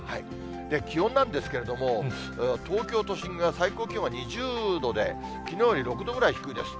気温なんですけれども、東京都心が最高気温は２０度で、きのうより６度ぐらい低いです。